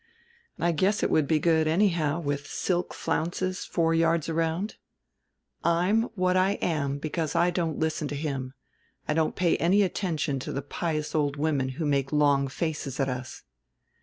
I guess it would be good, anyhow, with silk flounces four yards around. I'm what I am because I don't listen to him; I don't pay any attention to the pious old women who make long faces at us."